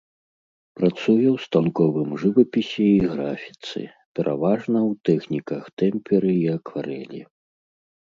Працуе ў станковым жывапісе і графіцы, пераважна ў тэхніках тэмперы і акварэлі.